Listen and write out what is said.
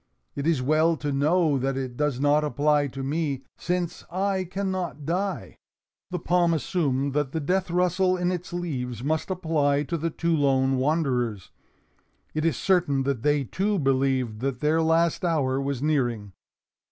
It is well to know that it does not apply to me, since I can not die." The palm assumed that the death rustle in its leaves must apply to the two lone wanderers. It is certain that they too believed that their last hour was nearing.